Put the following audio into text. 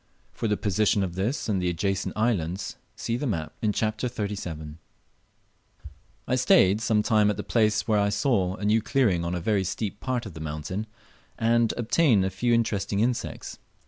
For the position of this and the adjacent islands, see the map in Chapter XXXVII.] I stayed some time at a place where I saw a new clearing on a very steep part of the mountain, and obtained a few interesting insects.